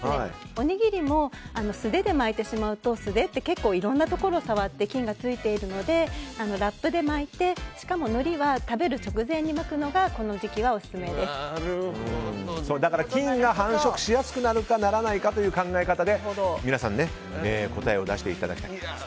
おにぎりも素手で巻いてしまうと素手って結構いろんなところ触って菌が付いているのでラップで巻いて、しかものりは食べる直前に巻くのが菌が繁殖しやすくなるかならないかという考え方で皆さん答えを出していただきたいです。